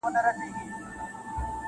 لکه نسیم د ګل پر پاڼوپانو ونڅېدم -